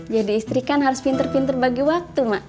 jadi istri kan harus pinter pinter bagi waktu mak